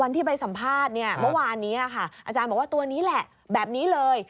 ที่ไปสัมภาษณ์เนี่ยเมื่อวานนี้ค่ะอาจารย์บอกว่าตัวนี้แหละแบบนี้เลย